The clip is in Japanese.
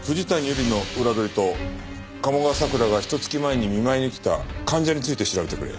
友梨の裏取りと鴨川咲良がひと月前に見舞いに来た患者について調べてくれ。